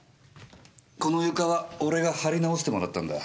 この床は俺が張り直してもらったんだ。